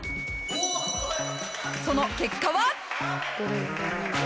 その結果は？